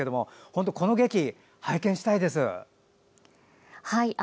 本当この劇、拝見したいです。